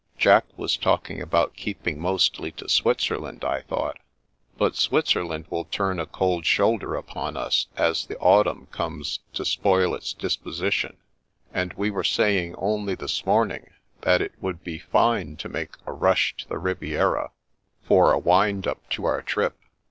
Jack was talking about keeping mostly to Switzerland, I thought." " But Switzerland will turn a cold shoulder upon us, as the autumn comes to spoil its disposition, and we were saying only this morning that it would be fine to make a rush to the Riviera, for a wind up to our trip."